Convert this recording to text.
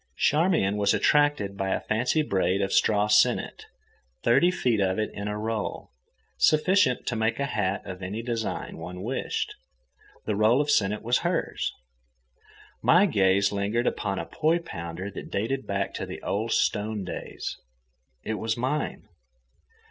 Charmian was attracted by a fancy braid of straw sennit, thirty feet of it in a roll, sufficient to make a hat of any design one wished; the roll of sennit was hers. My gaze lingered upon a poi pounder that dated back to the old stone days; it was mine.